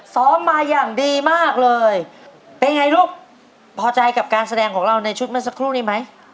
ซ้อมมาอย่างดีมากเลยเป็นไงลูกพอใจกับการแสดงของเราในชุดเมื่อสักครู่นี้ไหม